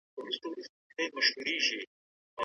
د خوراک پر مهال ګډوډي مه جوړوئ.